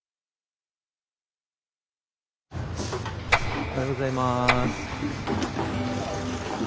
おはようございます。